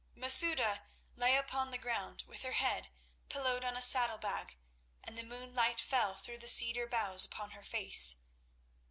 Masouda lay upon the ground, with her head pillowed on a saddle bag, and the moonlight fell through the cedar boughs upon her face.